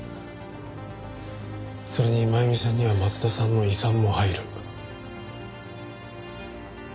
それに真弓さんには松田さんの遺産も入る。